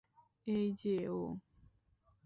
এই যে ও!